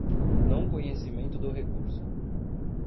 não conhecimento do recurso